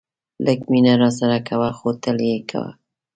لږ مینه راسره کوه خو تل یې کوه.